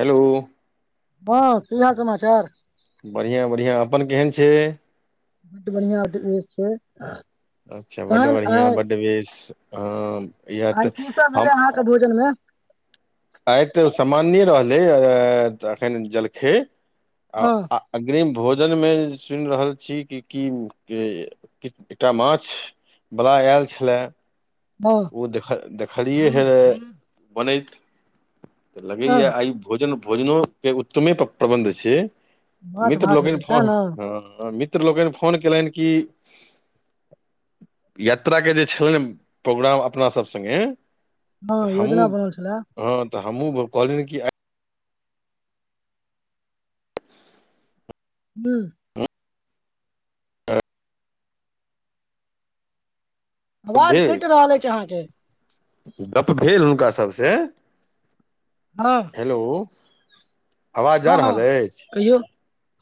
Hello boss की हाल समाचार बढ़ियां बढ़ियां अपन केहन छै बड बढिया ड्रेस छैय अच्छा बड्ड बढ़िआं बड बेस यह तऽ आइ की सब हम भेलै अहाँके भोजन में आइ तऽ सामान्ये रहलै एखन जलखे हँ आ अग्रिम भोजन मे सुनि रहल छी कि की एकटा माछ बला आयल छलाह हं ओ देखलियै हँ र बनैत तऽ हँ लगैय आइ भोजन भोजनोे के उत्तमे प प्रबन्ध छै माछ मित्र भात लोकनि हेतै सएह फोन ने ह मित्र लोकनि फोन केलनि कि यात्रा के जे छलैन प्रोग्राम अपना सब सँगे हँ योजना बनल छलैह हँ तऽ हमू कहली कि हु आवाज भेल कैट रहल ऐछ अहाँके गप भेल हुनका सभ से हँ हेलो आवाज जा हँ हँ रहल ऐछ कहियौ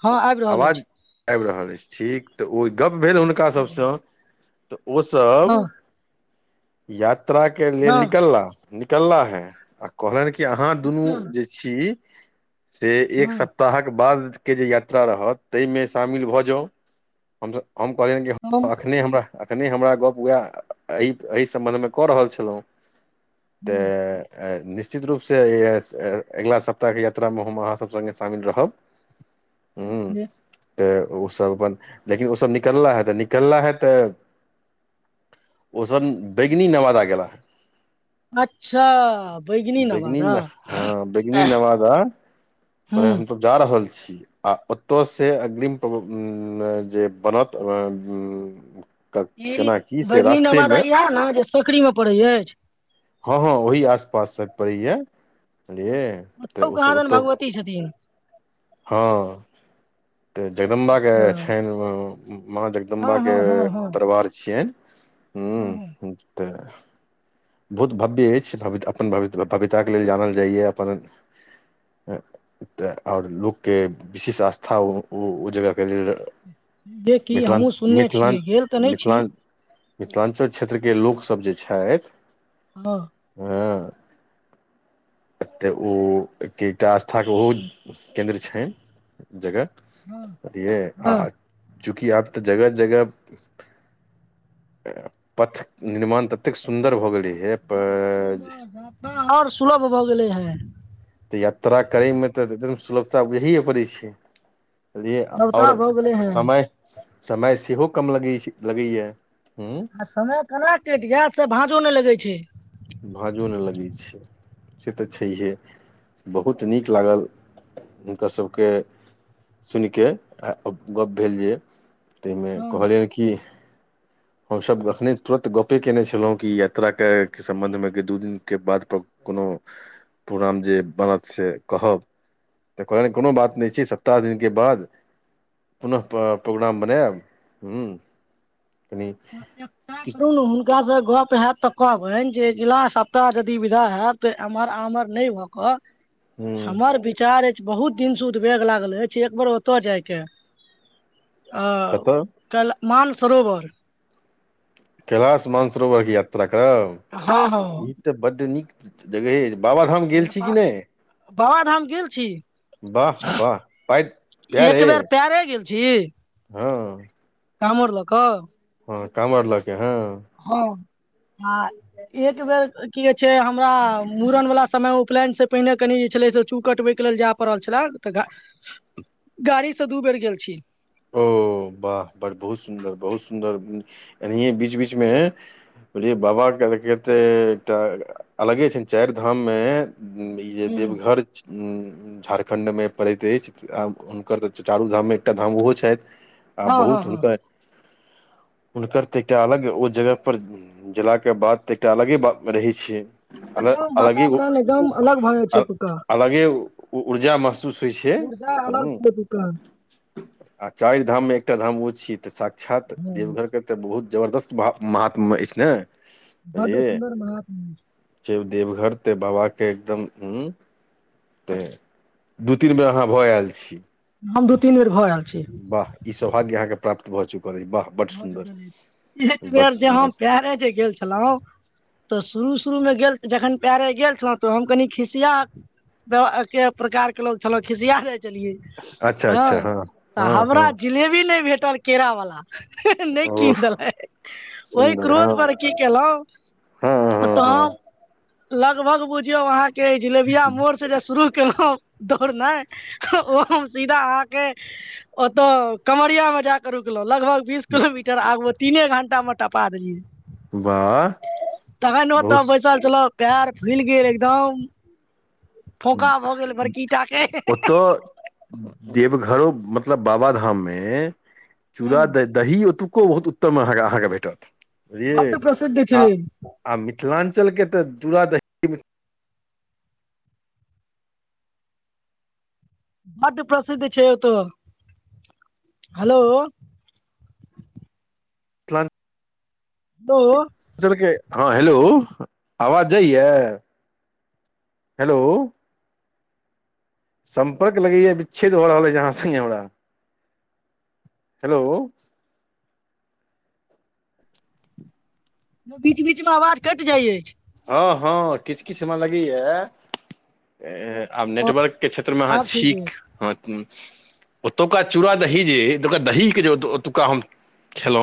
हँ आइब रहल ऐछ आएब रहल ऐछ ठीक तऽ ओ गप्प भेल हँ आबि रहल हुनकासभसँ अछि तऽ ओसभ हँ यात्रा के लेल हँ निकला निकला हे कहलनि कि अहाँ दुनू अच्छा जे छी से एक हँ सप्ताहक बाद के जे यात यात्रा रहत तेए मे शामिल भऽ जाउ हमस हम कहलियनि कि तहन अखने हमरा अखने हमरा गप्प उएह एहि एहि सम्बन्धमे कऽ रहल छलहुँ हँ तऽ। निश्चित रूपसँ अगिला सप्ताहके यात्रामे हम अहाँसभ सङ्गे शामिल रहब। ह [unintelligible] तऽ ओसभ अपन लेकिन ओसभ निकलला हे तऽ निकलला हे तऽ। ओसभ बैगनी नवादा गेलाह। अच्छा बैगनी नवादा? हँ बैगनी नवादा कहल हूँ। हमसभ जा रहल छी आ ओतय से अग्रिम जे बनत। ई केना की से बैदनी रास्तेमे नवादा इएह ने जे सकरी मे पड़े अछि। हँ हँ ओही आस पास सभ पड़ैए बझलियै तऽ मतलब कहाँ ओसभ दन ओतह। भगवती छथिन हँ तऽ जगदम्बाे हँ छनि माँ जग। हँ जगदुम्बा के हँ हँ दरबार छियैन हँ हँ हू तऽ। बहुत भव्य अछि भव्य अपन भव्य भव्यताके लेल जानल जाइए अपन। तऽ आओर लोकके विशेष आस्था ओ जगहके लेल। जेकि मिथिलान हमहूँ सुनने मिथिलाान छियै गेल तऽ नहि छी मिथिलाान। मिथिलाञ्चल क्षेत्रके लोकसभ जे छथि। हँ हँ तऽ ओ एकटा आस्थाके ओहो केन्द्र छनि। जगह हँ बुझालिए आ हँ चूकि आब तऽ जगह जगह। पथ निर्माण ततेक सुन्दर भऽ गेलै हे बड्ड पर। सुन्दर जात्रा आओर सुलभ भऽ गेलै हे। तऽ यात्रा करयमे तऽ एकदम सुलभता बुझाए पड़ै छै। बुझालिए नवका आओर भऽ गेलै हे समय समय सेहो कम लगै छै लगैए। आ समय केना कटि गेल से भाँझो नहि लगै छै। भाँजो नहि लगै छै से तऽ छैहे बहुत नीक लागल हुनकर सभके सुनि कऽ आ गप्प भेल जे ताहिमे हँ कहलियनि कि हमसभ एखने तुरन्त गपे कयने छलहुँ कि यात्राके सम्बन्धमे दू दिनके बाद कोनो प्रोग्राम जे बनत से कहब तऽ कोनो बात नहि छै सप्ताह दिनके बाद पुनः प्रोग्राम बनायब हूँ कनि [unintelligible] हुनकासँ गप हयत तऽ कहबनि जे अगिला सप्ताह यदि विदा होयत तऽ एम्हर आमहर नहि भऽ कऽ हूँ हमर विचार अछि बहुत दिनसँ उदबेग लागल अछि एक बेर ओतय जायके आ कतऽ क मानसरोवर कैलाश मानसरोवरके यात्रा करब हँ हँ ई तऽ बड्ड नीक जगह यऽ बाबाधाम गेल छी किी नेपाल नहि बाबाधाम गेल छी वाह वाह पइ पेरे परै गेल छी हँ कामर ल क? हँ कवर लऽ के हँ। हँ आ एक बेर की कहै छै हमरा मूड़न वाला समय उपनयन से पहिने कनि जे छलै से चू कटबै के लेल जाय पड़ल छलै तऽ गाड़ीसे दू बेर गेल छी। ओ वाह बड़ बहुत सुन्दर बहुत सुन्दर एनाहियए बीच बीचमे बुझलए बाबा के केते एकटा अलगे छ चारि धाम में ई जे हूँ हूँ। देवघर झारखण्डमे पड़ैत अछि आ हुनकर तऽ चारू धाम मे एकटा धाम ओहो छै। छथि आ हँ हँ बहुत हँ हुनकर हुनकर तऽ एकटा अलग ओ जगह पर जेला के बाद तऽ एकटा अलगे बात रहै छै। अल एकदम अलगे वातावरण एकदम अलग भऽ जाइ छै एतुका अलगे ऊर्जा महसूस होइ छै। ह [unintelligible] आ चारि धाममे एकटा धाम ओ छीय तऽ साक्षात हँ देवघर के तऽ बहुत जबरदस्त महात्म अछि ने। बडु सुन्दर महादेव जे देवघर ते बाबाके एकदम ह तऽ दू तीन बेर अहाँ भऽ आयल छी। हम दू तीन बेर भऽ आयल छी। वाह ई सौभाग्य अहाँके प्राप्त भऽ चुकल अछि वाह। बड भ सुन्दर गेलै एक बड बेर जे सुन्दर हम पेरे जे गेल छलहु तऽ शुरू शुरूमे गेल जखन पएरे गेल छल तऽ हम कनि खिसियाह एक प्रकार के लोग छलो खिसिया जाइ छलियै। अच्छा अच्छा ह हँ तऽ हँ हँ हमरा जिलेबी नहि भेटल। केरा वला नहि ओ कीनेलै ओहि सुन्दर हँ क्रोध पर कीेलहु हँ हँ त हँ ल बुझियौ आहा जिलेबिया मोड़ से जे शुरू केलहु दौड़नाइ ओ सीधा अहाँके ओतऽ कमरिया में जाके रुकलहु लगभग बीस किलोमीटर आगु तीने घं्टा मे टपा देलियै। वाह तखन ओतऽ बहुत बैसल चलह पैर फुलि गेल एकदम फोका भऽ गेल बड़की टा के ओतऽ देवघरो मतलब बाबा धाम मे हूँ चूरा दही दही ओतुक्को बहुत उत्तम अहाँके भेटत बड्ड बुझलियए प्रसिद्ध आ छै आ मिथिलांचल के ते चूरा दही बड प्रसिद्ध छै त हेलो। हेलो [unintelligible] लांचन के हँ हेलो आवाज जाइयै? हेलो। सम्पर्क लगैया बिच्छेद भऽ रहल अछि अहाँ संगे हमरा हेलो। बीच बीच मे आवाज कटि जाइ अछि। हँ हँ किछु किछु हमरा लगैए आब हँ नेटवर्कके क्षेत्रमे अहाँ आब ठीक छीक अछि हँ ओतुका चूड़ा दही जे ओतुका दहीे जे ओतुका हम खेलो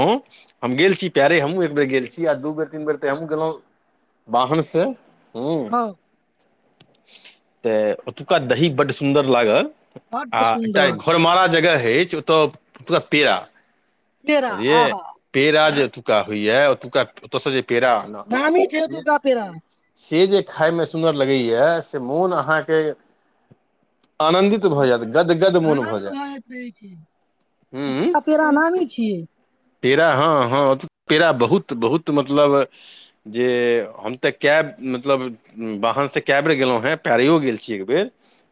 हम गेल छी पैरे हमहूँ एक बेर गेल छी आ दू बेर तीन बेर ते हमहुँ गेलहुँ वाहन से हुँ हँ तऽ ओतुका दही बड्ड सुन्दर लागल। आ बड्ड एकटा सुन्दर घरमारा जग हअछि ओतऽ ओतुका पेड़ा पेड़ा बुझलिएये आहा पेड़ा जे ओतुका होइय ओतुका ओतऽ सँ जे पेड़ा आनब नामी छैे से ओतुका पेरा से जे खायमे सुन्दर लगैय से मोन अहाँकेँ आनन्दित भऽ जायत गदगद मन भऽ आनन्द जायत जाइत रहै छै ओतुका पेड़ा नामी छियै पेड़ा हँ हँ पेड़ा बहुत बहुत मतलब जे हम तऽ कैब मतलब बाहन से कए बेर गेलहुँ हे पैरीयो गेल छी एक बेर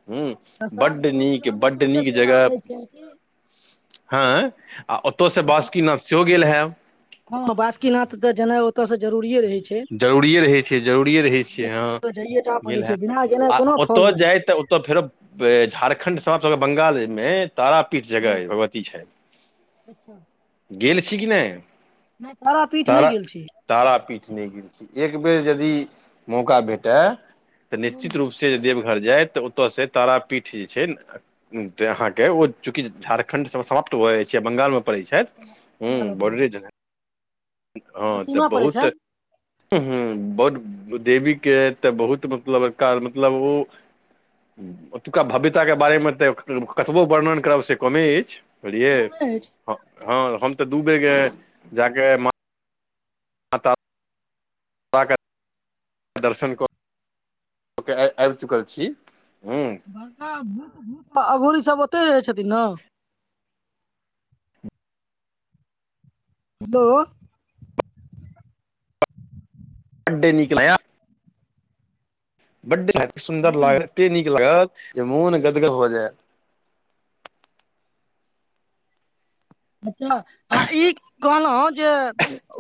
हुँ प्रसाद केँ रूपमे हम ओतुके पेड़ा आनै छियनि कि हाय आ ओतय से बासुकीनाथ सेहो गेल हैब हँ बासुकीनाथ तऽ जेनाइ ओतयसँ जरुरिए रहै छै जरूरिए रहैत छै जरूरिए रहैत छियै हँ निश्चित ओतऽ जाइये टा पड़ै गेल छै हेँब बिना गेनाइ आ कोनो फल ओतऽ नहि जाय तऽ ओतऽ फेरो बे झारखंड सब सँ अपना सब बंगाल मे तारापीठ हँ जगह भगवती अच्छा छथि गेल छी कि नय नच तारापीठ नय गेल छी तारापीठ नइ गेल छी एक बेर जदि मौका भेटै तऽ हुँ निश्चित रूप से जे देवघर जाय तऽ ओतऽ से तारापीठ जे छै नऽ अहाँकेँ ओ चूँकि झारखण्ड सब समाप्त भऽ जाइ छै बंगाल मऽ पड़ै छथि हुँ बंगाल मे पड़ै छै बॉडरेजने हँ हमरा तऽ सीमा पड़ै बहुत छनि ह बहुत देवी के ह तऽ बहुत मतलब मतलब ओ ओतुका भव्यताके बारेमे तऽ कतबो वर्णन करब से कमे अछि। बुझलियै मालूमे अछि हँ हम तऽ दू बेर जाय केँ माँ हँ तऽ पा कऽ दर्शन कऽ कऽ केँ आबि चुकल छी हुँ बड़का [unintelligible] अघोरी सब ओते रहै छथिन ने। हैलो [unintelligible] केँ लगै बड्ड सुन्दर हुँ लाग एते नीक लागत जे मोन गदगद भऽ जाय अच्छऽ आ ई कहलहु जे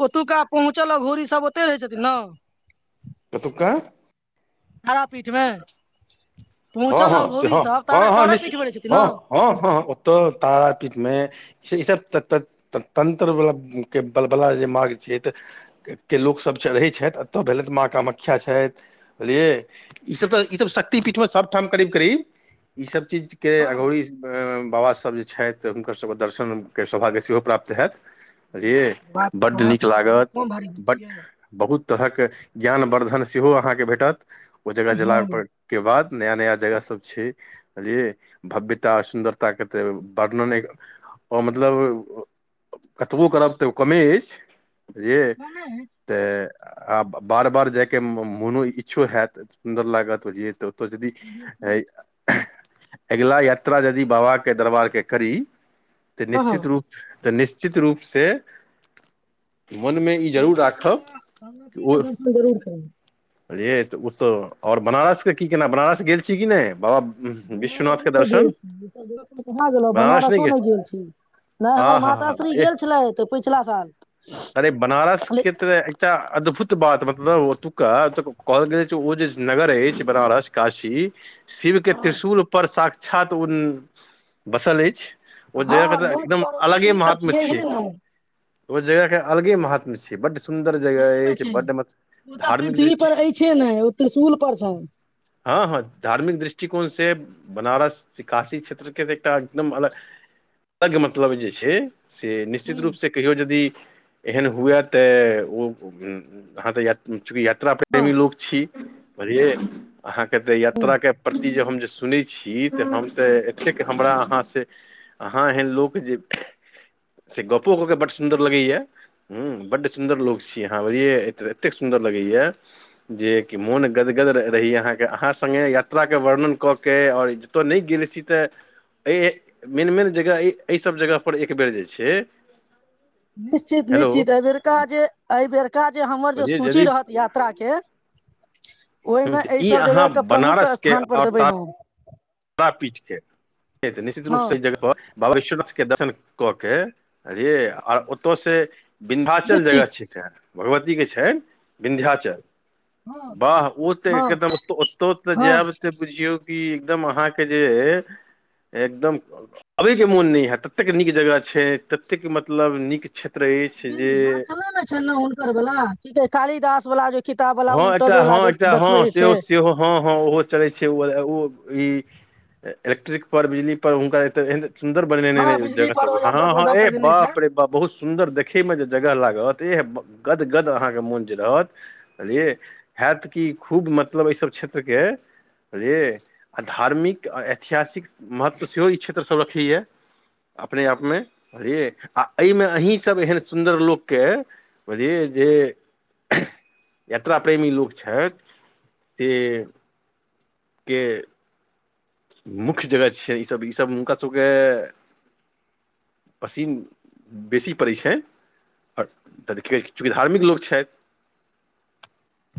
ओतुका पहुँचल अघोरी सब ओते रहै छथिन नऽ कतुका तारापीठ मे हँ पहुँचल हँ से अघौरी हँ सब हँ तारे हँ तरे पीठ मे रहै निश्चित छथिन हँ नऽ हँ हँ ओतऽ तारापीठमे से ईसभ तऽ त तंत्रबला केँ बलबला जे मार्ग छियै तऽ केँ लोकसभ चढ़ै छथि एतऽ भेलथि माँ कामाख्या छैथ बुझलियै ई सब तऽ ई सब शक्तिपीठमे सब ठाम करीब करीब ई सब चीज केँ हँ अघौरी ए बाबासभ जे छैथ हुनकर सभ केँ दर्शन केँ सौभाग्य सेहो प्राप्त हैत ये बुझलियै बात तऽ बड्ड समाज नीक प्राप्त भए लागत कम भारी गप छियै बड्ड बहुत तरहक ज्ञानवर्धन सेहो अहाँकेँ भेटत ओय जगह जेला हँ पर केँ बाद नया नया जगह सब छै बुझलियै भव्यता सुन्दरता के तऽ वर्णने अ मतलब कतबो करब तऽ ओ कमे अछि बुझलिये कहने अछि तऽ आ बार बार जायके मोनो इच्छो हैत सुन्दर लागत बुझियै तऽ तऽ जदि जे अ कि अगिला यात्रा यदि बाबा के दरबार के करी तऽ हँ हँ, निश्चित रूप तऽ निश्चित रूपसे मनमे ई जरूर भगवती के राखब भगवती ओ के दर्शन जरूर करेबै बुझलियै तऽ ओ तऽ ओर बनारसके की केना बनारस गेल छी कि नहि बाबा बनारसो विश्वनाथके नहि गेल दर्शन छी उ सब जगह पर कहाँ गेलो बनारसो नहि गेल छी नैह हँ हमर हँ हँ माताश्री एह गेल छलै तऽ पिछला साल अरे बनारसके तऽ एकटा अद्भुत बात मतलब ओतुका कहल गेल अछि ओ जे नगर अछि बनारस काशी शिव के हँ त्रिशूल पर साक्षात उ बसल अछि ओ जएगह कऽ हँ तऽ नोत एकदम पर ओ अलगे पृथ्वी पर महात्म छै छियैहे नहि ओ जगह के अलगे महत्म छै बड सुन्दर जगह सहीमे अछि बड म ओ तऽ धार्मिक पृथ्वी पर दृष्टि छै नहि ओ त्रिशुल पर छैन हँ हँ धार्मिक दृष्टिकोण से बनारस काशी क्षेत्रके तऽ एकटा एकदम अलग अलग मतलब जे छै से निश्चित हूँ रूपसँ कहियो जदी एहन हुए तऽ ओ चूँकि यात्रा हँ प्रेमी लोक छी अहाँके तऽ हूँ यात्राके प्रति जे हम जे सुनै छी तऽ हम तऽ एतेक हमरा अहाँसे आहाँ एहन लोक जे से गप्पो कऽ के बड् सुन्दर लगैया हु बड्ड सुन्दर लोक छी अहाँ बुझालिए एतेक एतेक सुन्दर लगैया जे कि मोन गदगद रहे रही अहाँके अहाँ संगे यात्राक के वर्णन कऽ के ओर जतय नहि गेले छी तऽ एहि मेन मेन जगह एहिसभ जगह पर एक बेर जे छै निश्चित हेलो निश्चित एहिबेरका जे एहिबेरका जे हमर जे बझिय सूची यदि रहत यात्रा के ओय मे ई एहिसभ अहाँ जगहके प्रमुख स्थान पर देबै हम ता पीठ के निश्चित रूपसँ हँ जगह पर बाबा विश्वनाथ कऽ दर्शन कऽ के अरे ओतौ से बिन्ध्याचल जगह निश्चित छै एकटा भगवतीके छैन विन्ध्याचल हँ वाह ओ तऽ हँ एकदम ओत ओतो तऽ हँ जाब तऽ बुझियौ कि एकदम अहाँके जे एकदम अबे के मोन नहि हैत ततेक नीक जगह छै ततेक मतलब नीक क्षेत्र अछि जे हुनकर वाल हुनकर वला कालिदास वालला जे किताब वाल हँ एकटा उनटबे हँ लऽ एकटा हँ देखबे छै सेहो सेहो हँ हँ ओहो चलै छै ओ ई इलेक्ट्रिक पर बिजली पर हुनका सुन्दर बन न हँ न बिजली जगह पर ओ सब हँ यंत्र पर हँ दऽ ए के देने छै बाप रे बा बहुत सुन्दर देखे मे जे जगह लागत एह गदगद अहाँके मोन जे रहत बझलियै हैत की खूब मतलब एहिसभ क्षेत्रके बुझलियै आ धार्मिक आ ऐतिहासिक महत्व सेहो ई क्षेत्रसभ रखैया अपने आपमे बझलियै आ एमे अहीं सब एहन सुन्दर लोकके बुझालिए जे यात्रा प्रेमी लोक छथि से के मुख्य जगह छिय ईसभ ईसभ हुनका सभके पसीन बेसी पड़ै छै आ चूँकि धार्मिक लोक छथि